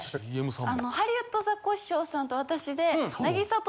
あのハリウッドザコシショウさんと私で。